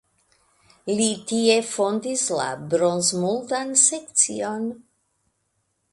Li tie fondis la bronzmuldan sekcion.